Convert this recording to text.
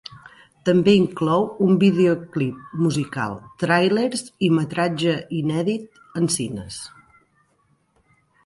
També inclou un videoclip musical, tràilers i metratge inèdit en cines.